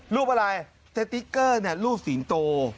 รูปอะไรติ๊กเกอร์เนี่ยรูปสีโต